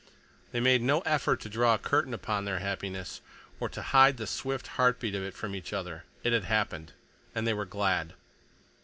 They made no effort to draw a curtain upon their happiness, or to hide the swift heart beat of it from each other. It had happened, and they were glad.